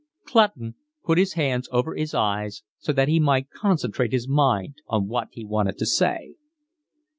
Clutton put his hands over his eyes so that he might concentrate his mind on what he wanted to say.